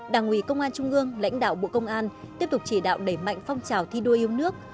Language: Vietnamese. đảng ủy công an trung ương lãnh đạo bộ công an tiếp tục chỉ đạo đẩy mạnh phong trào thi đua yêu nước